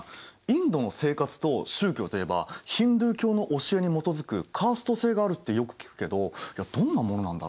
インドの生活と宗教といえばヒンドゥー教の教えに基づくカースト制があるってよく聞くけどどんなものなんだろう？